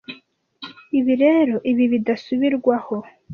Ibi rero, ibi bidasubirwaho.